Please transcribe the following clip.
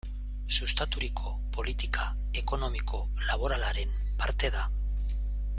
Sustaturiko politika ekonomiko-laboralaren parte da.